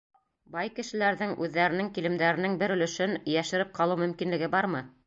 Бай кешеләрҙең үҙҙәренең килемдәренең бер өлөшөн йәшереп ҡалыу мөмкинлеге бармы?